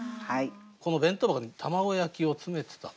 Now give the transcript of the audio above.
この「弁当箱に卵焼きを詰めてた」。